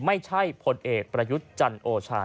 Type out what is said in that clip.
ไม่ใช่พลเอกประยุทธ์จันทร์โอชา